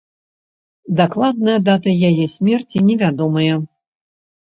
Дакладная дата яе смерці невядомая.